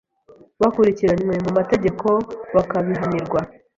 bakurikiranywe mu mategeko bakabihanirwa.